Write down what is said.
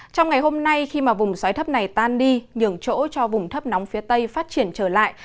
trong ngày hôm nay khi mà vùng xoáy thấp này tan đi nhường chỗ cho vùng thấp nóng phía tây phát triển trở lại